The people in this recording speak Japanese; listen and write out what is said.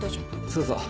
そうそう。